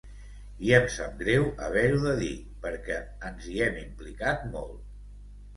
I em sap greu haver-ho de dir perquè ens hi hem implicat molt.